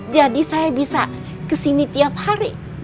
jadi saya bisa kesini tiap hari